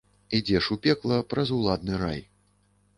Ідзеш у пекла праз уладны рай.